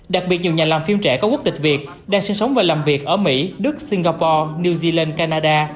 đặc biệt nhiều nhà làm phim trẻ có quốc tịch việt đang sinh sống và làm việc ở mỹ đức singapore new zealand canada